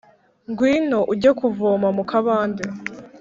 Ngwino ujye kuvoma mu kabande